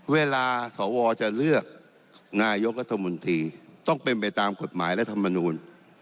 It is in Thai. เวลาสวรรค์จะเลือกนายกฎมุนตรีต้องเป็นไปตามกฎหมายและธรรมนูญ